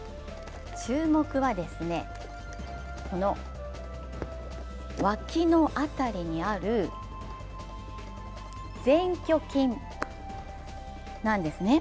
注目は、わきの辺りにある前鋸筋なんですね。